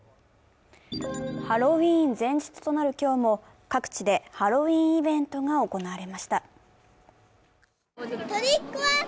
ハロウィーン前日となる今日も各地でハロウィーンイベントが行われました。